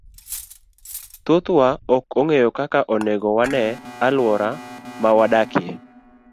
Thothwa ok ong'eyo kaka onego wane alwora ma wadakie.